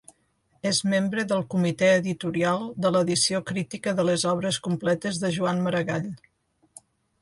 És membre del comitè editorial de l’edició crítica de les obres completes de Joan Maragall.